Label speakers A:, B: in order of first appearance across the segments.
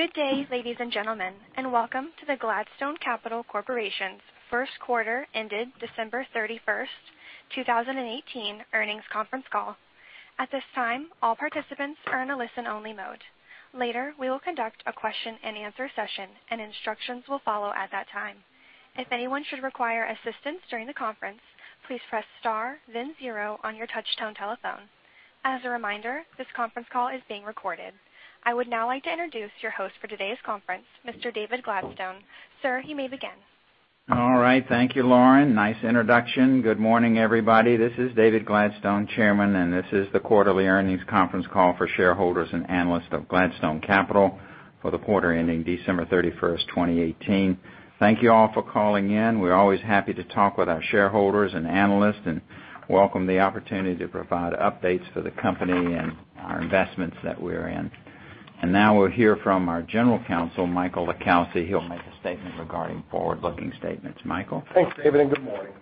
A: Good day, ladies and gentlemen, and welcome to the Gladstone Capital Corporation's first quarter ended December 31st, 2018 earnings conference call. At this time, all participants are in a listen-only mode. Later, we will conduct a question and answer session, and instructions will follow at that time. If anyone should require assistance during the conference, please press star then zero on your touchtone telephone. As a reminder, this conference call is being recorded. I would now like to introduce your host for today's conference, Mr. David Gladstone. Sir, you may begin.
B: All right. Thank you, Lauren. Nice introduction. Good morning, everybody. This is David Gladstone, chairman, and this is the quarterly earnings conference call for shareholders and analysts of Gladstone Capital for the quarter ending December 31st, 2018. Thank you all for calling in. We're always happy to talk with our shareholders and analysts and welcome the opportunity to provide updates for the company and our investments that we're in. Now we'll hear from our general counsel, Michael LiCalsi, who'll make a statement regarding forward-looking statements. Michael?
C: Thanks, David. Good morning.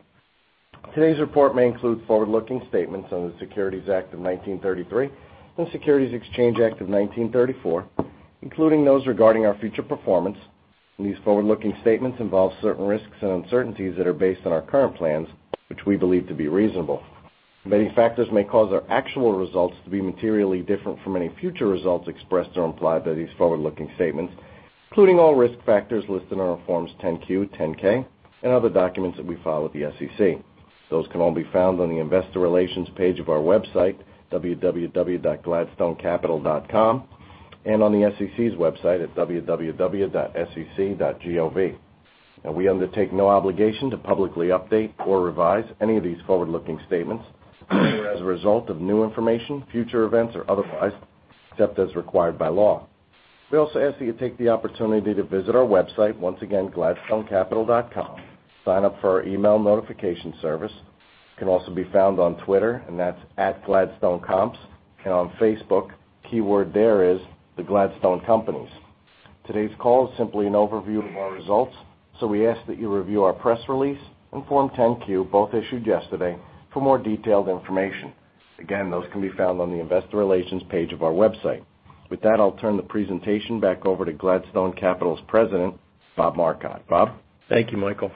C: Today's report may include forward-looking statements on the Securities Act of 1933 and the Securities Exchange Act of 1934, including those regarding our future performance. These forward-looking statements involve certain risks and uncertainties that are based on our current plans, which we believe to be reasonable. Many factors may cause our actual results to be materially different from any future results expressed or implied by these forward-looking statements, including all risk factors listed on our forms 10-Q, 10-K, and other documents that we file with the SEC. Those can all be found on the investor relations page of our website, www.gladstonecapital.com, and on the SEC's website at www.sec.gov. We undertake no obligation to publicly update or revise any of these forward-looking statements as a result of new information, future events, or otherwise, except as required by law. We also ask that you take the opportunity to visit our website, once again, gladstonecapital.com, sign up for our email notification service. It can also be found on Twitter, and that's @GladstoneComps, and on Facebook, keyword there is The Gladstone Companies. Today's call is simply an overview of our results. We ask that you review our press release and form 10-Q, both issued yesterday, for more detailed information. Again, those can be found on the investor relations page of our website. With that, I'll turn the presentation back over to Gladstone Capital's president, Bob Marcotte. Bob?
D: Thank you, Michael.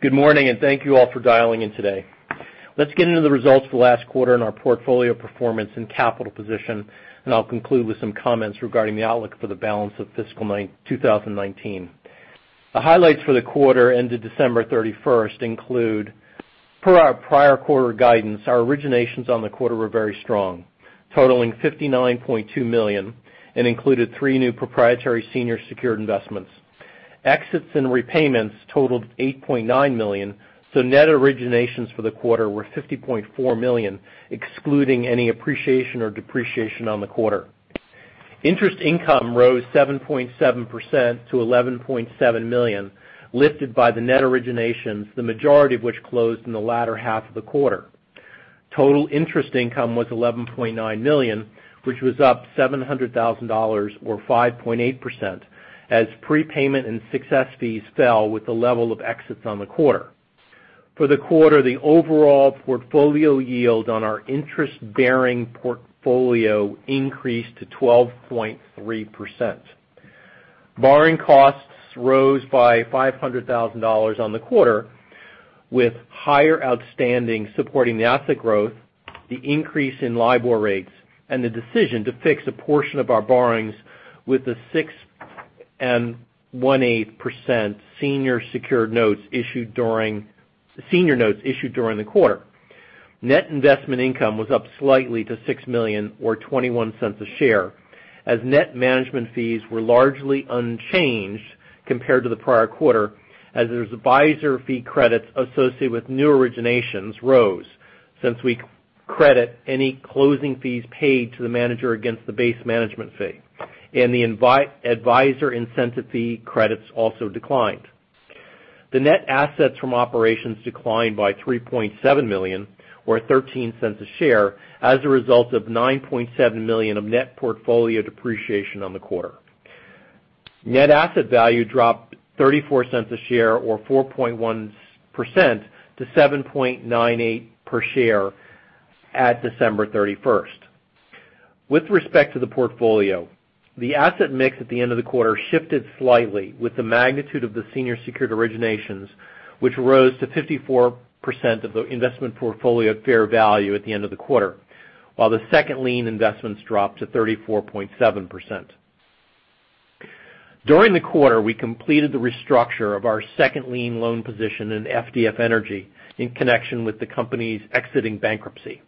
D: Good morning, and thank you all for dialing in today. Let's get into the results for last quarter and our portfolio performance and capital position. I'll conclude with some comments regarding the outlook for the balance of fiscal 2019. The highlights for the quarter ended December 31st include, per our prior quarter guidance, our originations on the quarter were very strong, totaling $59.2 million, included three new proprietary senior secured investments. Exits and repayments totaled $8.9 million, net originations for the quarter were $50.4 million, excluding any appreciation or depreciation on the quarter. Interest income rose 7.7% to $11.7 million, lifted by the net originations, the majority of which closed in the latter half of the quarter. Total interest income was $11.9 million, which was up $700,000 or 5.8% as prepayment and success fees fell with the level of exits on the quarter. For the quarter, the overall portfolio yield on our interest-bearing portfolio increased to 12.3%. Borrowing costs rose by $500,000 on the quarter, with higher outstanding supporting the asset growth, the increase in LIBOR rates, and the decision to fix a portion of our borrowings with the 6.125% senior secured notes issued during the quarter. Net investment income was up slightly to $6 million or $0.21 a share as net management fees were largely unchanged compared to the prior quarter as those advisor fee credits associated with new originations rose since we credit any closing fees paid to the manager against the base management fee. The advisor incentive fee credits also declined. The net assets from operations declined by $3.7 million or $0.13 a share as a result of $9.7 million of net portfolio depreciation on the quarter. Net asset value dropped $0.34 a share or 4.1% to $7.98 per share at December 31st. With respect to the portfolio, the asset mix at the end of the quarter shifted slightly with the magnitude of the senior secured originations, which rose to 54% of the investment portfolio fair value at the end of the quarter. The second lien investments dropped to 34.7%. During the quarter, we completed the restructure of our second lien loan position in FDF Energy in connection with the company's exiting bankruptcy.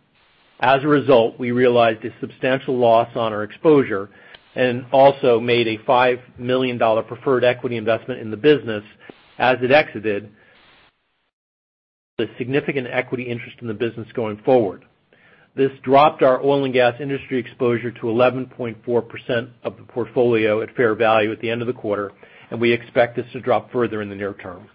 D: As a result, we realized a substantial loss on our exposure and also made a $5 million preferred equity investment in the business as it exited the significant equity interest in the business going forward. This dropped our oil and gas industry exposure to 11.4% of the portfolio at fair value at the end of the quarter, and we expect this to drop further in the near term.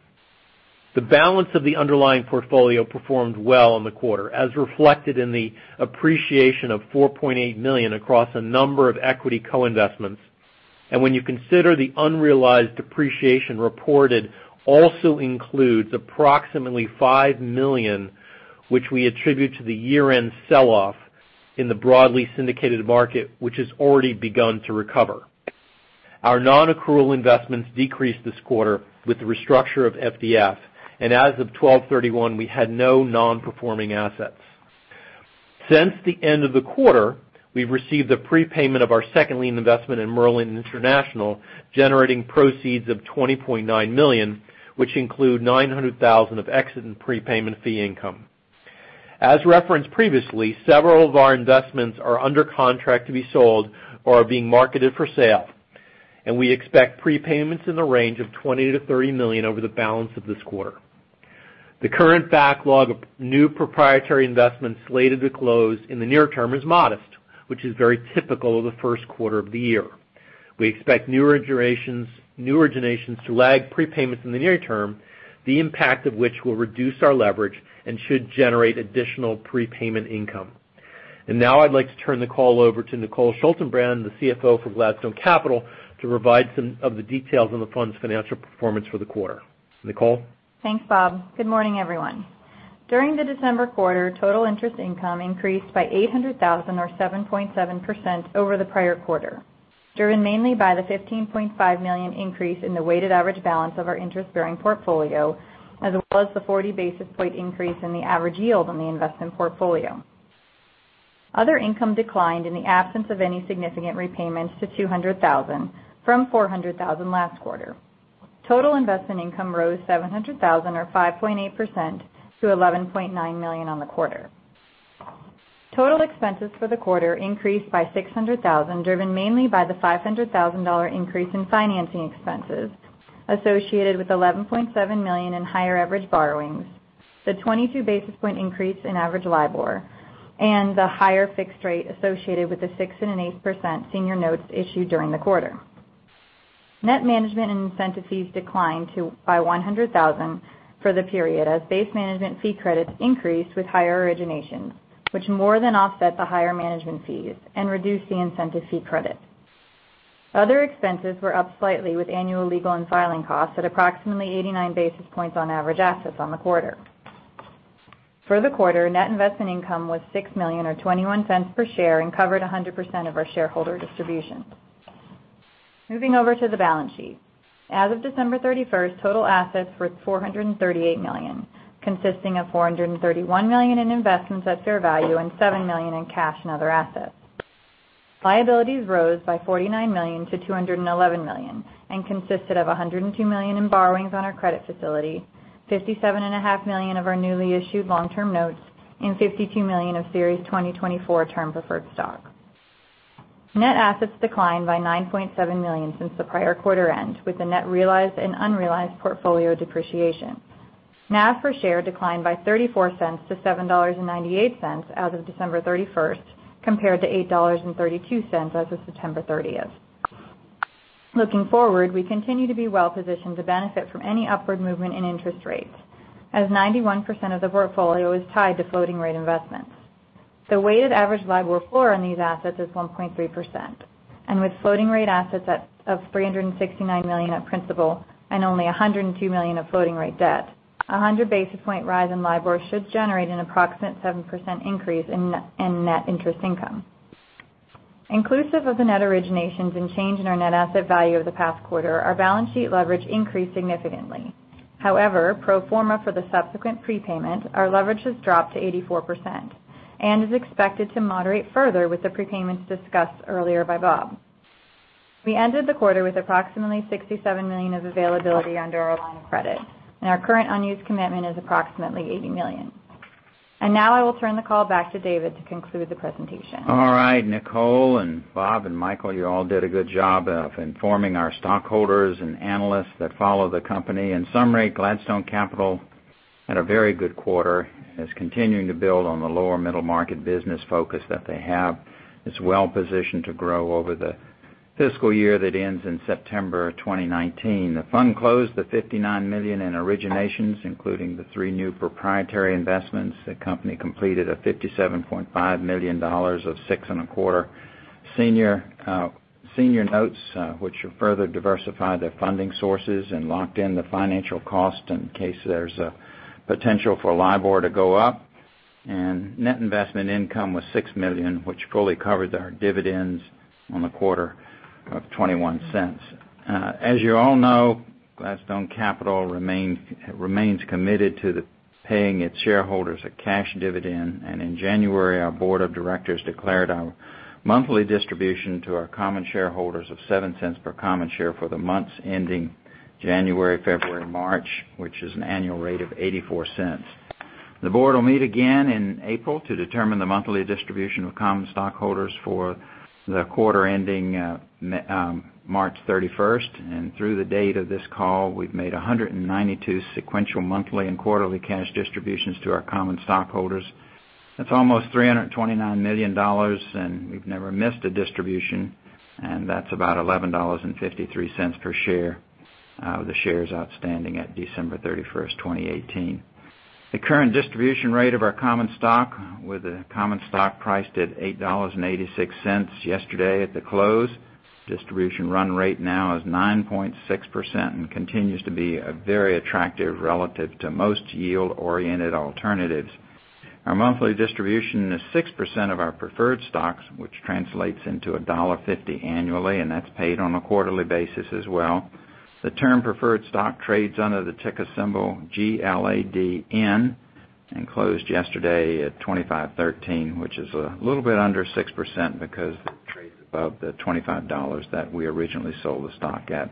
D: The balance of the underlying portfolio performed well in the quarter, as reflected in the appreciation of $4.8 million across a number of equity co-investments. When you consider the unrealized depreciation reported also includes approximately $5 million, which we attribute to the year-end selloff in the broadly syndicated market, which has already begun to recover. Our non-accrual investments decreased this quarter with the restructure of FDF, and as of December 31st, we had no non-performing assets. Since the end of the quarter, we've received a prepayment of our second lien investment in Merlin International, generating proceeds of $20.9 million, which include $900,000 of exit and prepayment fee income. As referenced previously, several of our investments are under contract to be sold or are being marketed for sale, and we expect prepayments in the range of $20 million-$30 million over the balance of this quarter. The current backlog of new proprietary investments slated to close in the near term is modest, which is very typical of the first quarter of the year. We expect new originations to lag prepayments in the near term, the impact of which will reduce our leverage and should generate additional prepayment income. Now I'd like to turn the call over to Nicole Schaltenbrand, the Chief Financial Officer for Gladstone Capital, to provide some of the details on the fund's financial performance for the quarter. Nicole?
E: Thanks, Bob. Good morning, everyone. During the December quarter, total interest income increased by $800,000 or 7.7% over the prior quarter, driven mainly by the $15.5 million increase in the weighted average balance of our interest-bearing portfolio, as well as the 40 basis point increase in the average yield on the investment portfolio. Other income declined in the absence of any significant repayments to $200,000 from $400,000 last quarter. Total investment income rose $700,000 or 5.8% to $11.9 million on the quarter. Total expenses for the quarter increased by $600,000, driven mainly by the $500,000 increase in financing expenses associated with $11.7 million in higher average borrowings, the 22 basis point increase in average LIBOR, and the higher fixed rate associated with the 6.8% senior notes issued during the quarter. Net management and incentive fees declined by $100,000 for the period, as base management fee credits increased with higher originations, which more than offset the higher management fees and reduced the incentive fee credit. Other expenses were up slightly with annual legal and filing costs at approximately 89 basis points on average assets on the quarter. For the quarter, net investment income was $6 million or $0.21 per share and covered 100% of our shareholder distribution. Moving over to the balance sheet. As of December 31st, total assets were $438 million, consisting of $431 million in investments at fair value and $7 million in cash and other assets. Liabilities rose by $49 million to $211 million and consisted of $102 million in borrowings on our credit facility, $57.5 million of our newly issued long-term notes, and $52 million of Series 2024 Term Preferred Stock. Net assets declined by $9.7 million since the prior quarter end with the net realized and unrealized portfolio depreciation. NAV per share declined by $0.34-$7.98 as of December 31st compared to $8.32 as of September 30th. Looking forward, we continue to be well positioned to benefit from any upward movement in interest rates, as 91% of the portfolio is tied to floating rate investments. The weighted average LIBOR floor on these assets is 1.3%, and with floating rate assets of $369 million at principal and only $102 million of floating rate debt, a 100 basis point rise in LIBOR should generate an approximate 7% increase in net interest income. Inclusive of the net originations and change in our net asset value over the past quarter, our balance sheet leverage increased significantly. Pro forma for the subsequent prepayment, our leverage has dropped to 84% and is expected to moderate further with the prepayments discussed earlier by Bob. We ended the quarter with approximately $67 million of availability under our line of credit, and our current unused commitment is approximately $80 million. Now I will turn the call back to David to conclude the presentation.
B: All right, Nicole and Bob and Michael, you all did a good job of informing our stockholders and analysts that follow the company. In summary, Gladstone Capital had a very good quarter and is continuing to build on the lower middle market business focus that they have. It's well positioned to grow over the fiscal year that ends in September 2019. The fund closed $59 million in originations, including the three new proprietary investments. The company completed $57.5 million of 6,25% senior notes, which have further diversified their funding sources and locked in the financial cost in case there's a potential for LIBOR to go up. Net investment income was $6 million, which fully covered our dividends on the quarter of $0.21. As you all know, Gladstone Capital remains committed to paying its shareholders a cash dividend. In January, our board of directors declared our monthly distribution to our common shareholders of $0.07 per common share for the months ending January, February, March, which is an annual rate of $0.84. The board will meet again in April to determine the monthly distribution of common stockholders for the quarter ending March 31st. Through the date of this call, we've made 192 sequential monthly and quarterly cash distributions to our common stockholders. That's almost $329 million. We've never missed a distribution, and that's about $11.53 per share of the shares outstanding at December 31st, 2018. The current distribution rate of our common stock, with the common stock priced at $8.86 yesterday at the close. Distribution run rate now is 9.6% and continues to be very attractive relative to most yield-oriented alternatives. Our monthly distribution is 6% of our preferred stocks, which translates into $1.50 annually, and that's paid on a quarterly basis as well. The term preferred stock trades under the ticker symbol GLADN and closed yesterday at $25.13, which is a little bit under 6% because it trades above the $25 that we originally sold the stock at.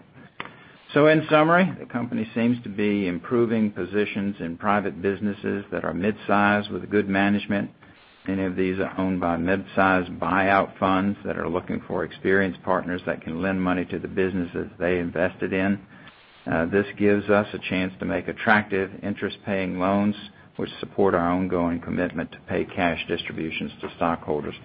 B: In summary, the company seems to be improving positions in private businesses that are mid-size with good management. Many of these are owned by mid-size buyout funds that are looking for experienced partners that can lend money to the businesses they invested in. This gives us a chance to make attractive interest-paying loans, which support our ongoing commitment to pay cash distributions to stockholders.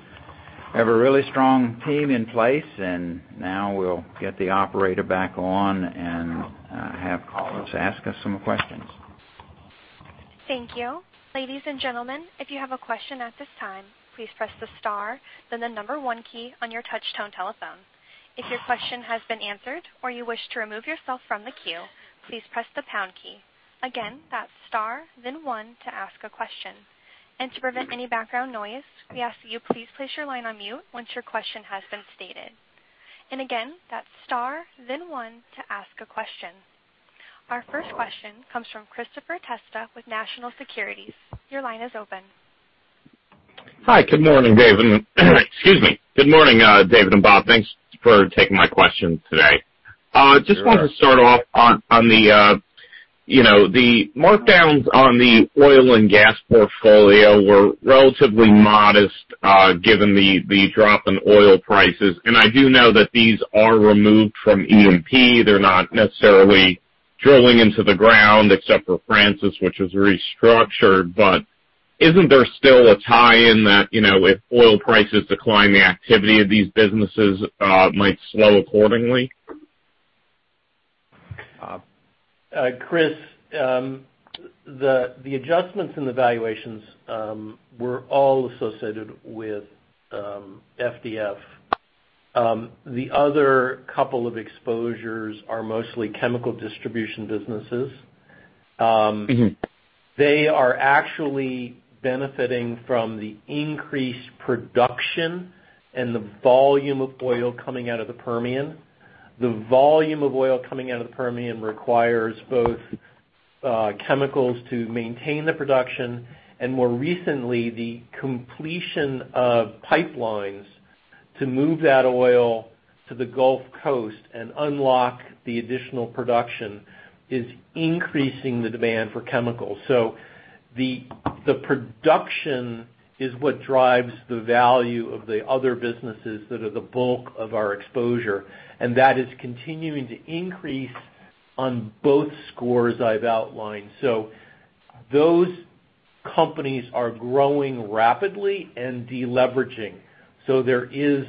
B: We have a really strong team in place. Now we'll get the operator back on and have callers ask us some questions.
A: Thank you. Ladies and gentlemen, if you have a question at this time, please press the star then the number one key on your touchtone telephone. If your question has been answered or you wish to remove yourself from the queue, please press the pound key. Again, that's star then one to ask a question. To prevent any background noise, we ask that you please place your line on mute once your question has been stated. Again, that's star then one to ask a question. Our first question comes from Christopher Testa with National Securities. Your line is open.
F: Hi, good morning, David. Excuse me. Good morning, David and Bob. Thanks for taking my question today.
B: You're welcome.
F: Just wanted to start off on the markdowns on the oil and gas portfolio were relatively modest, given the drop in oil prices. I do know that these are removed from E&P. They're not necessarily drilling into the ground except for Francis, which is restructured. Isn't there still a tie-in that if oil prices decline, the activity of these businesses might slow accordingly?
B: Bob?
D: Christopher, the adjustments in the valuations were all associated with FDF. The other couple of exposures are mostly chemical distribution businesses. They are actually benefiting from the increased production and the volume of oil coming out of the Permian. The volume of oil coming out of the Permian requires both chemicals to maintain the production, and more recently, the completion of pipelines to move that oil to the Gulf Coast and unlock the additional production is increasing the demand for chemicals. The production is what drives the value of the other businesses that are the bulk of our exposure, and that is continuing to increase on both scores I've outlined. Those companies are growing rapidly and de-leveraging. There is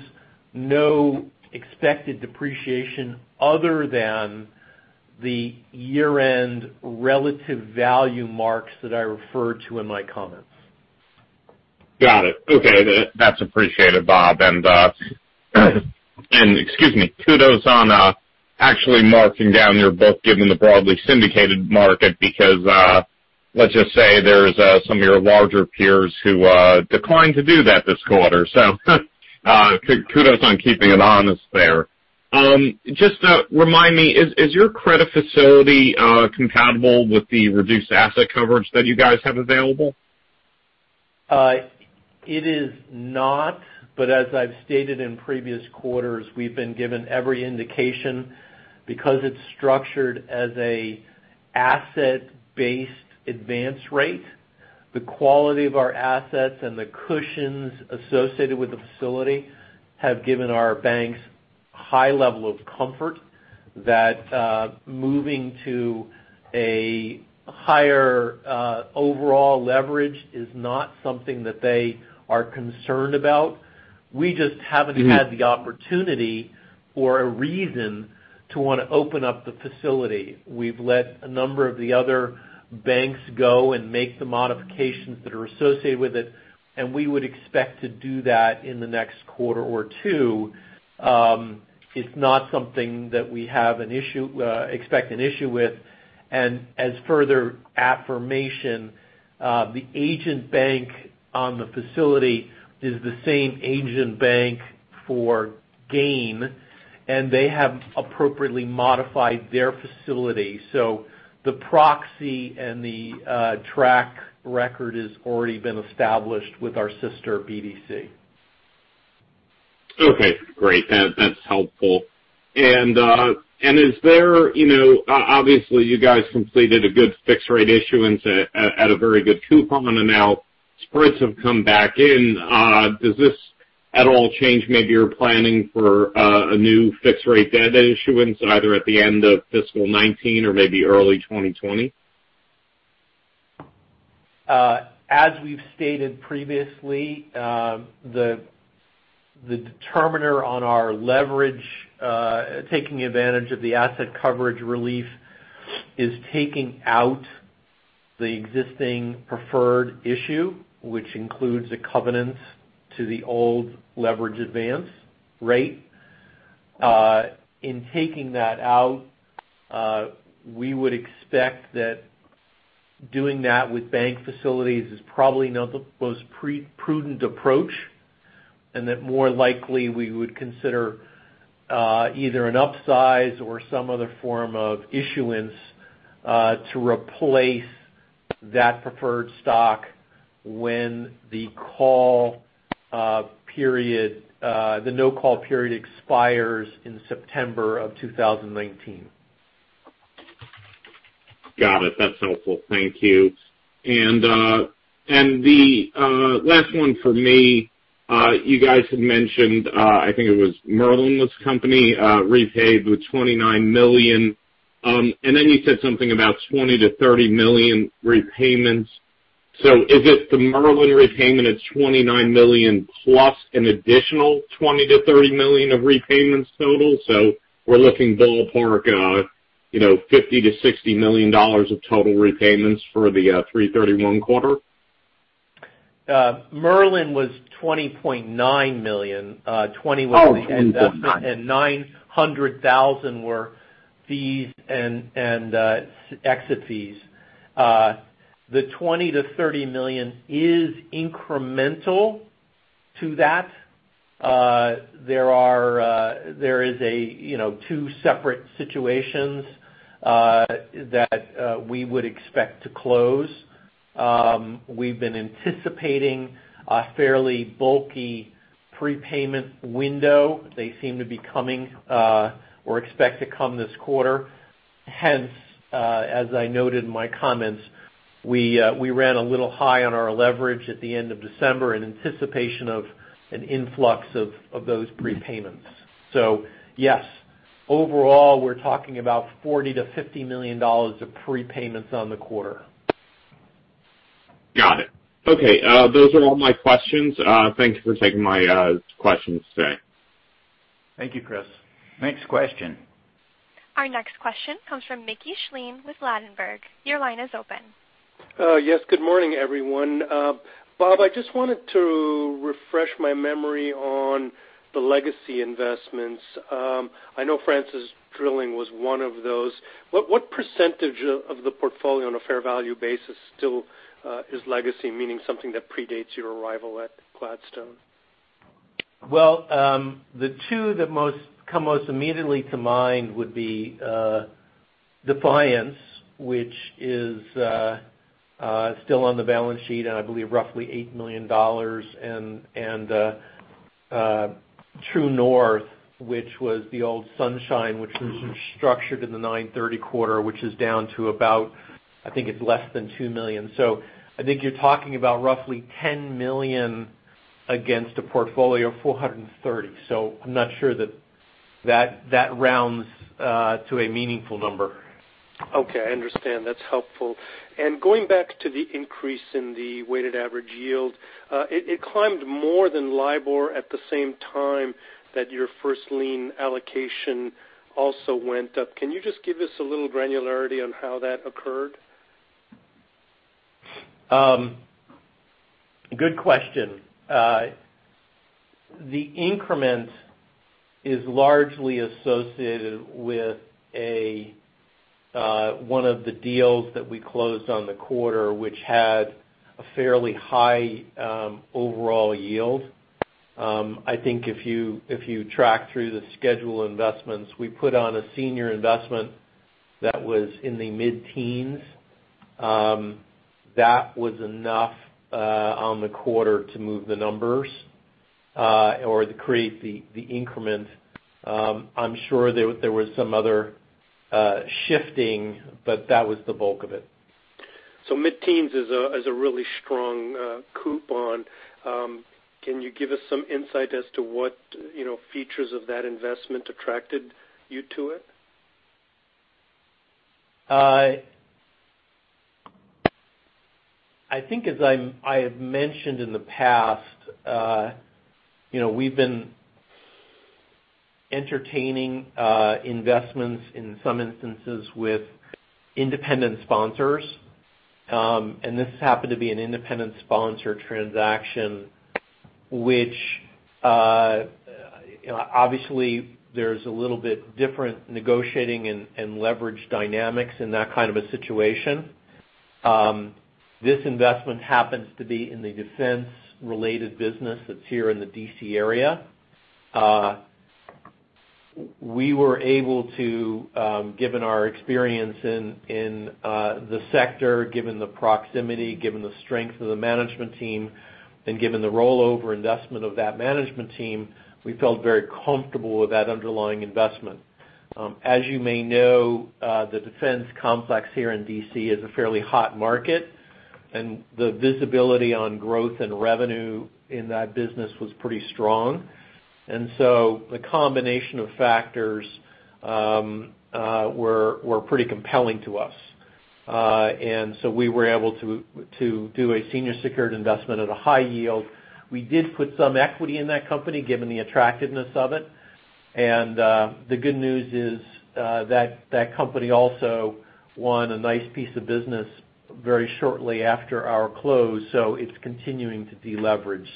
D: no expected depreciation other than the year-end relative value marks that I referred to in my comments.
F: Got it. Okay. That's appreciated, Bob. Excuse me. Kudos on actually marking down your book, given the broadly syndicated market, because let's just say there's some of your larger peers who declined to do that this quarter. Kudos on keeping it honest there. Just remind me, is your credit facility compatible with the reduced asset coverage that you guys have available?
D: It is not. As I've stated in previous quarters, we've been given every indication because it's structured as an asset-based advance rate. The quality of our assets and the cushions associated with the facility have given our banks high level of comfort that moving to a higher overall leverage is not something that they are concerned about. We just haven't had the opportunity or a reason to want to open up the facility. We've let a number of the other banks go and make the modifications that are associated with it, and we would expect to do that in the next quarter or two. It's not something that we expect an issue with. As further affirmation, the agent bank on the facility is the same agent bank for GAIN, and they have appropriately modified their facility. The proxy and the track record has already been established with our sister BDC.
F: Okay, great. That's helpful. Obviously, you guys completed a good fixed rate issuance at a very good coupon, and now spreads have come back in. Does this at all change maybe your planning for a new fixed rate debt issuance, either at the end of FY 2019 or maybe early 2020?
D: As we've stated previously, the determiner on our leverage, taking advantage of the asset coverage relief is taking out the existing preferred issue, which includes the covenants to the old leverage advance rate. Taking that out, we would expect that doing that with bank facilities is probably not the most prudent approach, and that more likely we would consider either an upsize or some other form of issuance to replace that preferred stock when the no call period expires in September of 2019.
F: Got it. That's helpful. Thank you. The last one for me, you guys had mentioned, I think it was Merlin, this company, repaid with $29 million. You said something about $20 million-$30 million repayments. Is it the Merlin repayment is $29 million plus an additional $20 million-$30 million of repayments total? We're looking ballpark, $50 million-$60 million of total repayments for the 331 quarter?
D: Merlin was $20.9 million. $20 million was the investment.
F: Oh, $20.9 million.
D: $900,000 were fees and exit fees. The $20 million-$30 million is incremental to that. There is two separate situations that we would expect to close. We've been anticipating a fairly bulky prepayment window. They seem to be coming, or expect to come this quarter. Hence, as I noted in my comments, we ran a little high on our leverage at the end of December in anticipation of an influx of those prepayments. Yes. Overall, we're talking about $40 million-$50 million of prepayments on the quarter.
F: Got it. Okay. Those are all my questions. Thank you for taking my questions today.
D: Thank you, Christopher.
B: Next question.
A: Our next question comes from Mickey Schleien with Ladenburg Thalmann. Your line is open.
G: Yes. Good morning, everyone. Bob, I just wanted to refresh my memory on the legacy investments. I know Francis Drilling was one of those. What percentage of the portfolio on a fair value basis still is legacy, meaning something that predates your arrival at Gladstone?
D: The two that come most immediately to mind would be Defiance, which is still on the balance sheet, and I believe roughly $8 million. True North, which was the old Sunshine, which was restructured in the 930 quarter, which is down to about, I think it's less than $2 million. I think you're talking about roughly $10 million against a portfolio of $430. I'm not sure that rounds to a meaningful number.
G: Okay, I understand. That's helpful. Going back to the increase in the weighted average yield. It climbed more than LIBOR at the same time that your first lien allocation also went up. Can you just give us a little granularity on how that occurred?
D: Good question. The increment is largely associated with one of the deals that we closed on the quarter, which had a fairly high overall yield. I think if you track through the schedule investments, we put on a senior investment that was in the mid-teens. That was enough on the quarter to move the numbers, or to create the increment. I'm sure there was some other shifting, but that was the bulk of it.
G: Mid-teens is a really strong coupon. Can you give us some insight as to what features of that investment attracted you to it?
D: I think as I have mentioned in the past, we've been entertaining investments in some instances with independent sponsors. This happened to be an independent sponsor transaction, which obviously there's a little bit different negotiating and leverage dynamics in that kind of a situation. This investment happens to be in the defense-related business that's here in the D.C. area. We were able to, given our experience in the sector, given the proximity, given the strength of the management team, and given the rollover investment of that management team, we felt very comfortable with that underlying investment. As you may know, the defense complex here in D.C. is a fairly hot market, and the visibility on growth and revenue in that business was pretty strong. The combination of factors were pretty compelling to us. We were able to do a senior secured investment at a high yield. We did put some equity in that company, given the attractiveness of it. And the good news is that company also won a nice piece of business very shortly after our close, so it's continuing to deleverage.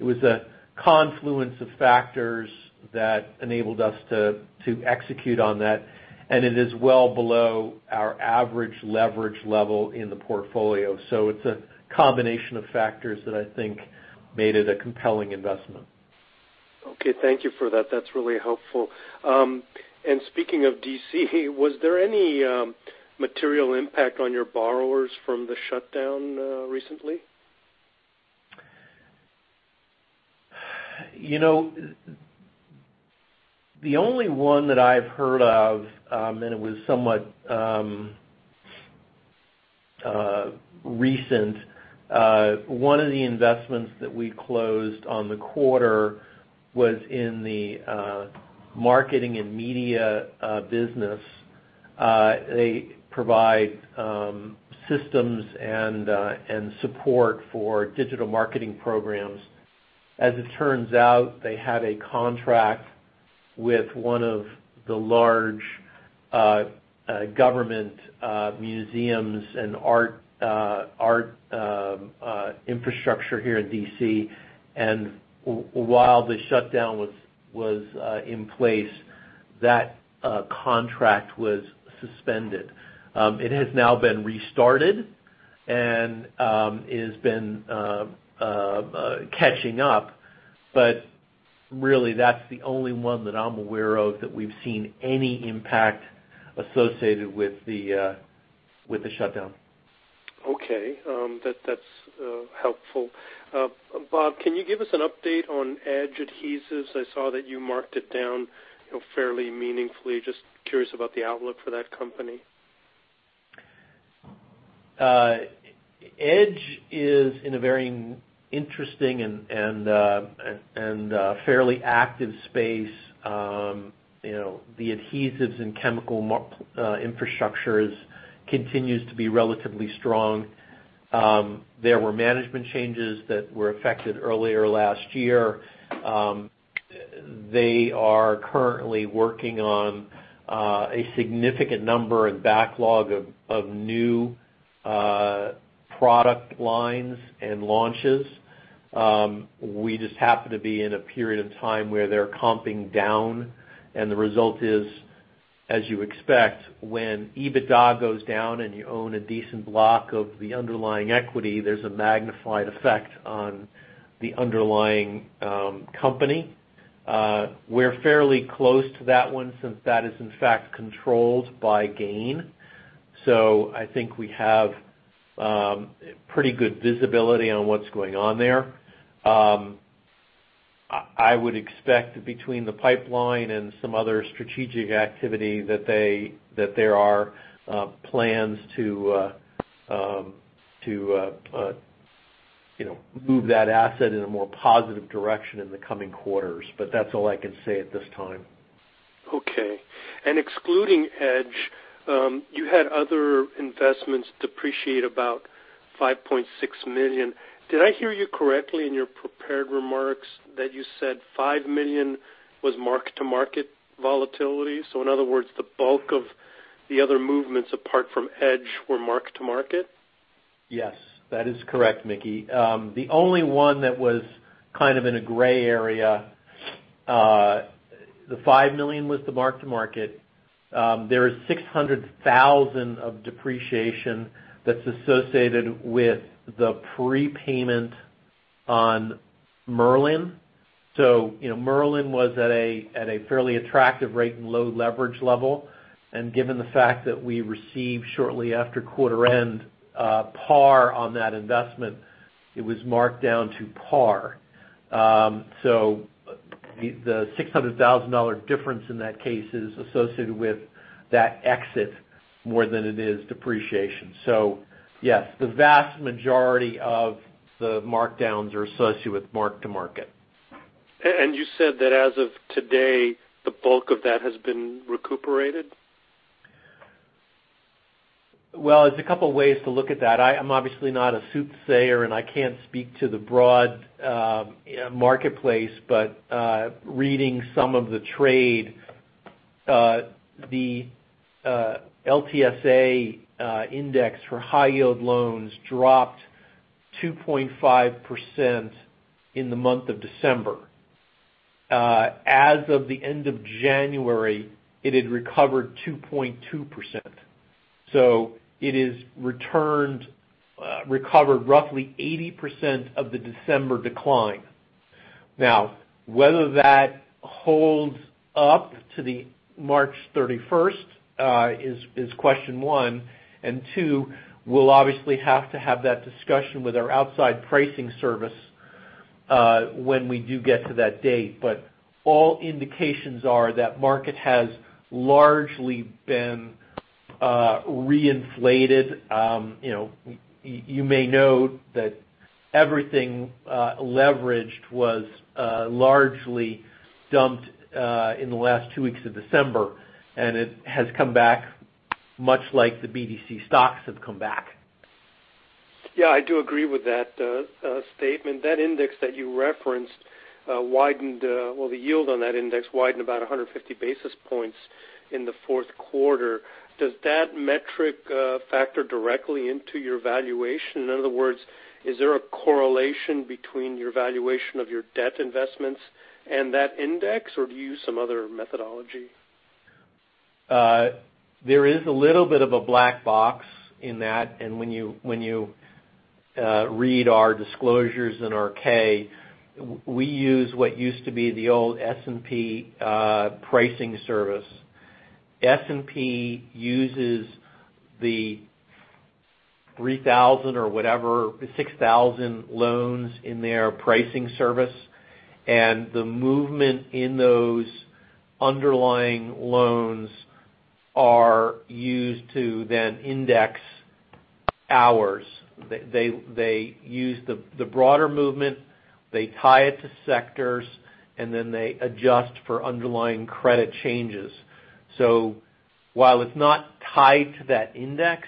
D: It was a confluence of factors that enabled us to execute on that, and it is well below our average leverage level in the portfolio. It's a combination of factors that I think made it a compelling investment.
G: Okay. Thank you for that. That's really helpful. Speaking of D.C., was there any material impact on your borrowers from the shutdown recently?
D: The only one that I've heard of, it was somewhat recent, one of the investments that we closed on the quarter was in the marketing and media business. They provide systems and support for digital marketing programs. As it turns out, they had a contract with one of the large government museums and art infrastructure here in D.C. While the shutdown was in place, that contract was suspended. It has now been restarted and it has been catching up. Really, that's the only one that I'm aware of that we've seen any impact associated with the shutdown.
G: Okay. That's helpful. Bob, can you give us an update on Edge Adhesives? I saw that you marked it down fairly meaningfully. Just curious about the outlook for that company.
D: Edge is in a very interesting and fairly active space. The adhesives and chemical infrastructures continues to be relatively strong. There were management changes that were affected earlier last year. They are currently working on a significant number and backlog of new product lines and launches. We just happen to be in a period of time where they're comping down, the result is, as you expect, when EBITDA goes down and you own a decent block of the underlying equity, there's a magnified effect on the underlying company. We're fairly close to that one since that is in fact controlled by GAIN. I think we have pretty good visibility on what's going on there. I would expect between the pipeline and some other strategic activity, that there are plans to move that asset in a more positive direction in the coming quarters. That's all I can say at this time.
G: Okay. Excluding Edge, you had other investments depreciate about $5.6 million. Did I hear you correctly in your prepared remarks that you said $5 million was mark-to-market volatility? In other words, the bulk of the other movements apart from Edge were mark-to-market?
D: Yes. That is correct, Mickey. The only one that was kind of in a gray area, the $5 million was the mark-to-market. There is $600,000 of depreciation that's associated with the prepayment on Merlin. Merlin was at a fairly attractive rate and low leverage level. Given the fact that we received shortly after quarter end par on that investment, it was marked down to par. The $600,000 difference in that case is associated with that exit more than it is depreciation. Yes, the vast majority of the markdowns are associated with mark-to-market.
G: You said that as of today, the bulk of that has been recuperated?
D: There's a couple of ways to look at that. I'm obviously not a soothsayer, and I can't speak to the broad marketplace, but reading some of the trade, the LSTA index for high-yield loans dropped 2.5% in the month of December. As of the end of January, it had recovered 2.2%. It has recovered roughly 80% of the December decline. Whether that holds up to the March 31st is question one, and two, we'll obviously have to have that discussion with our outside pricing service when we do get to that date. All indications are that market has largely been re-inflated. You may note that everything leveraged was largely dumped in the last two weeks of December, and it has come back much like the BDC stocks have come back.
G: I do agree with that statement. That index that you referenced, the yield on that index widened about 150 basis points in the fourth quarter. Does that metric factor directly into your valuation? In other words, is there a correlation between your valuation of your debt investments and that index, or do you use some other methodology?
D: There is a little bit of a black box in that, when you read our disclosures in our K, we use what used to be the old S&P pricing service. S&P uses the 3,000 or whatever, 6,000 loans in their pricing service. The movement in those underlying loans are used to then index ours. They use the broader movement, they tie it to sectors, and then they adjust for underlying credit changes. While it's not tied to that index,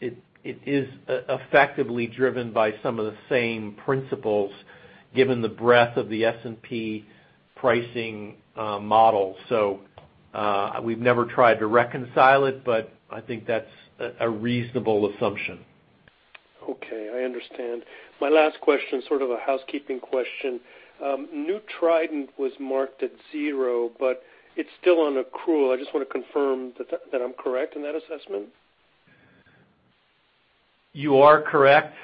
D: it is effectively driven by some of the same principles, given the breadth of the S&P pricing model. We've never tried to reconcile it, I think that's a reasonable assumption.
G: I understand. My last question, sort of a housekeeping question. New Trident was marked at zero, but it's still on accrual. I just want to confirm that I'm correct in that assessment.
D: You are correct.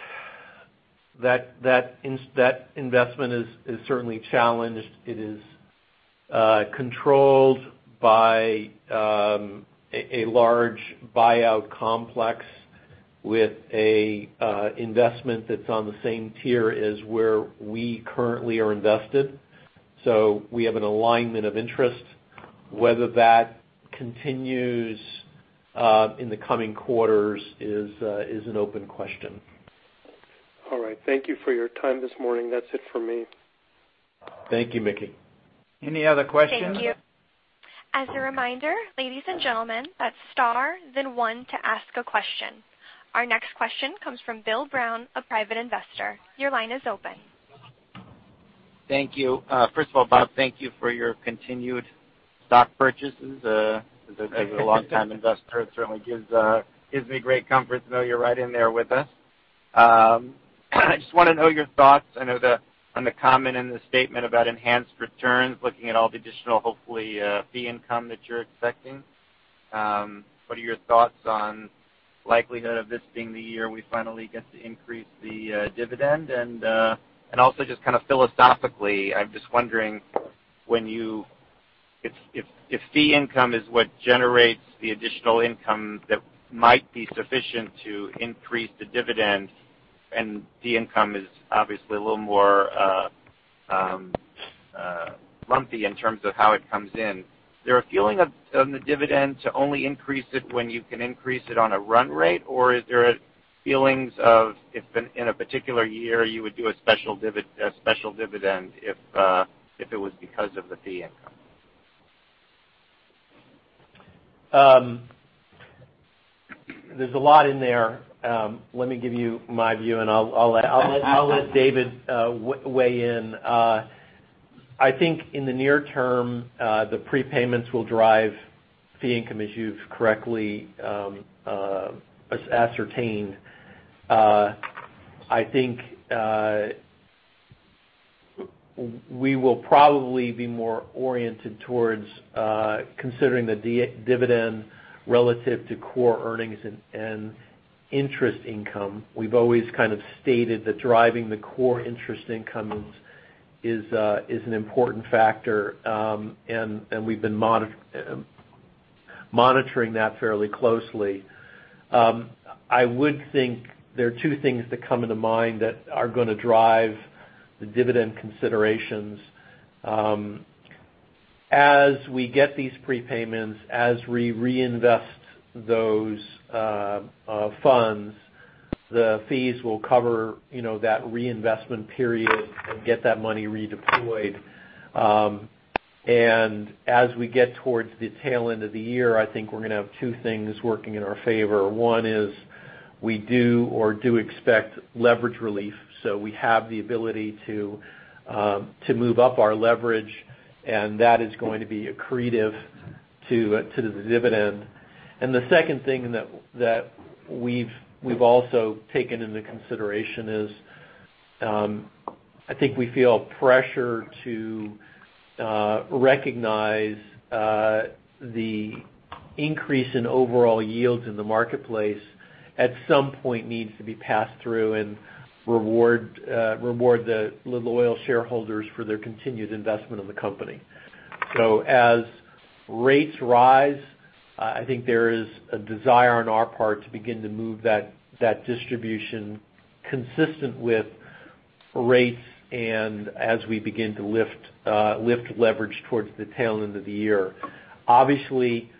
D: That investment is certainly challenged. It is controlled by a large buyout complex with an investment that is on the same tier as where we currently are invested. We have an alignment of interest. Whether that continues in the coming quarters is an open question.
G: All right. Thank you for your time this morning. That is it for me.
D: Thank you, Mickey.
B: Any other questions?
A: Thank you. As a reminder, ladies and gentlemen, that's star then one to ask a question. Our next question comes from Bill Brown, a private investor. Your line is open.
H: Thank you. First of all, Bob, thank you for your continued stock purchases. As a long-time investor, it certainly gives me great comfort to know you're right in there with us. I just want to know your thoughts. I know that on the comment and the statement about enhanced returns, looking at all the additional, hopefully, fee income that you're expecting. What are your thoughts on likelihood of this being the year we finally get to increase the dividend? Also, just philosophically, I'm just wondering, if fee income is what generates the additional income that might be sufficient to increase the dividend, and fee income is obviously a little more lumpy in terms of how it comes in, is there a feeling on the dividend to only increase it when you can increase it on a run rate, or is there feelings of if in a particular year you would do a special dividend if it was because of the fee income?
D: There's a lot in there. Let me give you my view, and I'll let David weigh in. I think in the near term, the prepayments will drive fee income, as you've correctly ascertained. I think we will probably be more oriented towards considering the dividend relative to core earnings and interest income. We've always kind of stated that driving the core interest income is an important factor. We've been monitoring that fairly closely. I would think there are two things that come into mind that are going to drive the dividend considerations. As we get these prepayments, as we reinvest those funds, the fees will cover that reinvestment period and get that money redeployed. As we get towards the tail end of the year, I think we're going to have two things working in our favor. One is we do expect leverage relief, so we have the ability to move up our leverage, and that is going to be accretive to the dividend. The second thing that we've also taken into consideration is, I think we feel pressure to recognize the increase in overall yields in the marketplace at some point needs to be passed through and reward the loyal shareholders for their continued investment in the company. As rates rise, I think there is a desire on our part to begin to move that distribution consistent with rates and as we begin to lift leverage towards the tail end of the year. Obviously,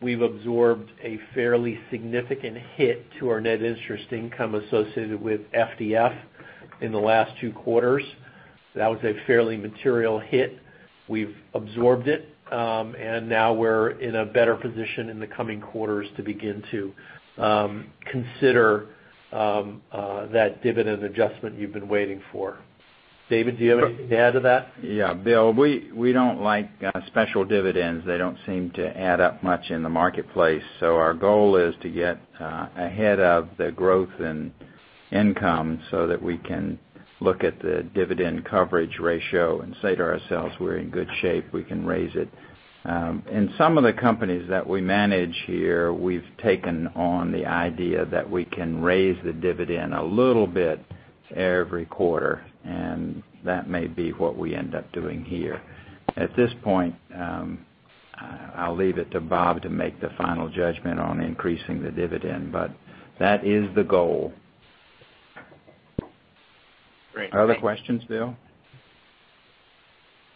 D: we've absorbed a fairly significant hit to our net interest income associated with FDF in the last two quarters. That was a fairly material hit. We've absorbed it. Now we're in a better position in the coming quarters to begin to consider that dividend adjustment you've been waiting for. David, do you have anything to add to that?
B: Yeah. Bill, we don't like special dividends. They don't seem to add up much in the marketplace. Our goal is to get ahead of the growth and income so that we can look at the dividend coverage ratio and say to ourselves, "We're in good shape. We can raise it." In some of the companies that we manage here, we've taken on the idea that we can raise the dividend a little bit every quarter, and that may be what we end up doing here. At this point, I'll leave it to Bob to make the final judgment on increasing the dividend, but that is the goal.
H: Great.
B: Other questions, Bill?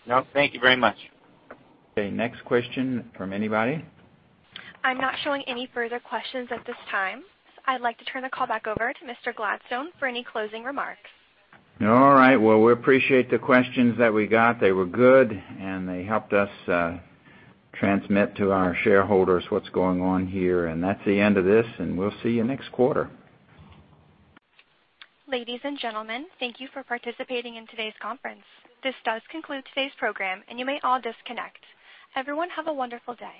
H: No. Thank you very much.
B: Okay. Next question from anybody?
A: I'm not showing any further questions at this time. I'd like to turn the call back over to Mr. Gladstone for any closing remarks.
B: All right. Well, we appreciate the questions that we got. They were good, and they helped us transmit to our shareholders what's going on here. That's the end of this, and we'll see you next quarter.
A: Ladies and gentlemen, thank you for participating in today's conference. This does conclude today's program, and you may all disconnect. Everyone, have a wonderful day.